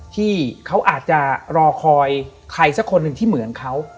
ที่เขาอาจจะรอคอยใครสักคนหนึ่งที่เหมือนเขา